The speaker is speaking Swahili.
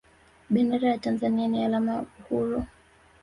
bendera ya tanzania ni alama ya uhuru